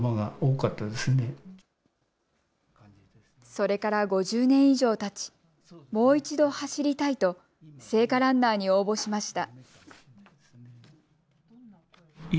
それから５０年以上たちもう一度走りたいと聖火ランナーに応募しました。